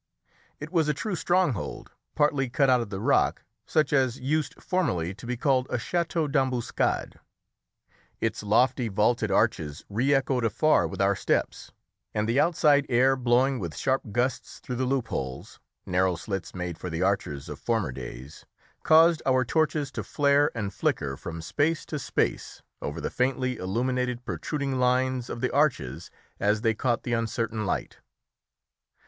It was a true stronghold, partly cut out of the rock, such as used formerly to be called a château d'ambuscade. Its lofty vaulted arches re echoed afar with our steps, and the outside air blowing with sharp gusts through the loopholes narrow slits made for the archers of former days caused our torches to flare and flicker from space to space over the faintly illuminated protruding lines of the arches as they caught the uncertain light.